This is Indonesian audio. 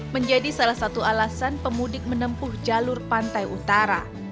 menjadi salah satu alasan pemudik menempuh jalur pantai utara